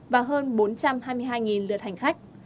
và hơn bốn trăm hai mươi hai lượt hành khách